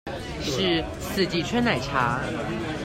是四季春奶茶